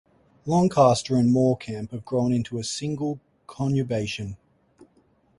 Lancaster and Morecambe have grown into a single conurbation.